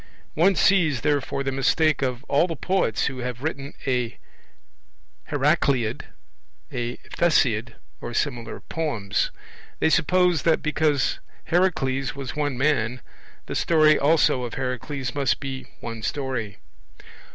One sees, therefore, the mistake of all the poets who have written a Heracleid, a Theseid, or similar poems; they suppose that, because Heracles was one man, the story also of Heracles must be one story.